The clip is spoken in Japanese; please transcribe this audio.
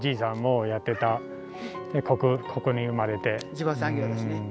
地場産業ですね。